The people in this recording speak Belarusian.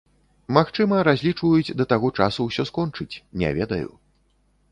Магчыма, разлічваюць да таго часу ўсё скончыць, не ведаю.